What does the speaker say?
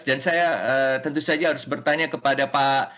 dan saya tentu saja harus bertanya kepada pak